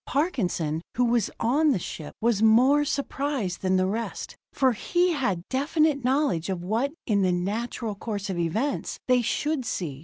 Parkinson, who was on the ship, was more surprised than the rest, for he had definite knowledge of what, in the natural course of events, they should see.